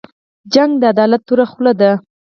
جګړه د عدالت توره خوله ده